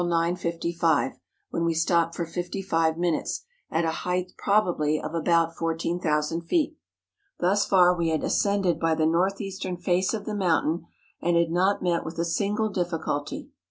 55, when we stopped for fifty minutes, at a height pro¬ bably of about 14,000 feet. Thus far we had as¬ cended by the north eastern face of the mountain, and had not met with a single difficulty.